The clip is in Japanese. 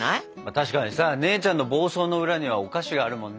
確かにさ姉ちゃんの暴走の裏にはお菓子があるもんね。